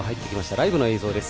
ライブの映像です。